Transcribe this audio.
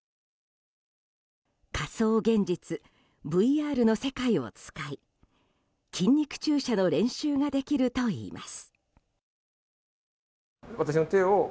仮想現実・ＶＲの世界を使い筋肉注射の練習ができるといいます。